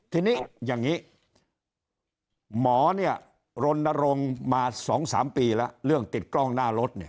ทีนี้อย่างนี้หมอเนี่ยรณรงค์มา๒๓ปีแล้วเรื่องติดกล้องหน้ารถเนี่ย